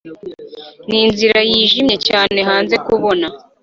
ninzira yijimye cyane hanze kubona